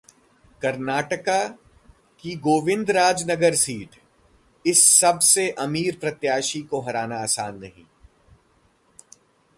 कर्नाटक की गोविंदराज नगर सीट: इस सबसे अमीर प्रत्याशी को हराना आसान नहीं